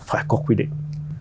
phải có quy định